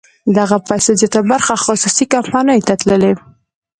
د دغه پیسو زیاته برخه خصوصي کمپنیو ته تللې.